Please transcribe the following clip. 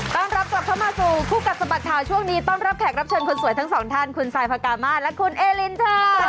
รับกลับเข้ามาสู่คู่กัดสะบัดข่าวช่วงนี้ต้อนรับแขกรับเชิญคนสวยทั้งสองท่านคุณซายพากามาและคุณเอลินค่ะ